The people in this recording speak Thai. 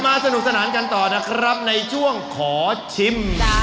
สนุกสนานกันต่อนะครับในช่วงขอชิม